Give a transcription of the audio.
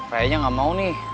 rayanya gak mau nih